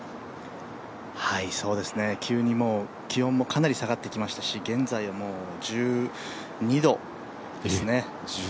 急にもう気温もかなり下がってきましたし現在は１２度ですね。